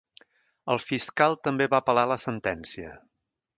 El fiscal també va apel·lar la sentència.